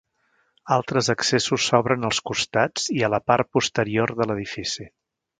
Altres accessos s'obren als costats i a la part posterior de l'edifici.